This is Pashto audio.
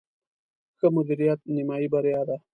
ښه مدیریت، نیمایي بریا ده